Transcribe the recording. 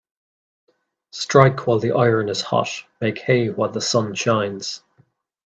Strike while the iron is hot Make hay while the sun shines